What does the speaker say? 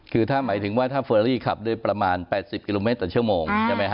คือถ้าหมายถึงว่าถ้าเฟอรี่ขับด้วยประมาณ๘๐กิโลเมตรต่อชั่วโมงใช่ไหมฮ